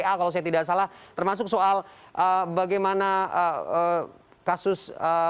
kalau saya tidak salah termasuk soal bagaimana kasus